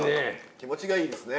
気持ちがいいですね。